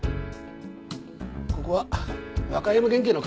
ここは和歌山県警の管轄です。